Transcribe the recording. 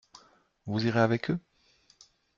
Vous irez avec eux ?